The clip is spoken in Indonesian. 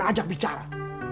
kita tidak apa apa